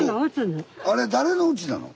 あれ誰のうちなの？